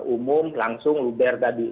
umum langsung luberta